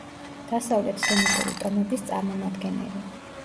დასავლეთ სემიტური ტომების წარმომადგენელი.